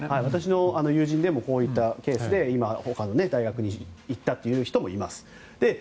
私の友人でもこういったケースで大学に行ったという人もいます。